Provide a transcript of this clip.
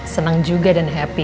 seneng juga dan happy